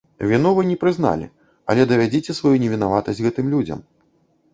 Віну вы не прызналі, але давядзіце сваю невінаватасць гэтым людзям.